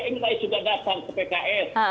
ang rais sudah datang ke pks